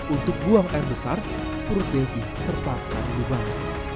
untuk buang air besar perut devi terpaksa di lubang